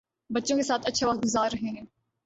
بچوں کے ساتھ اچھا وقت گذار رہے ہیں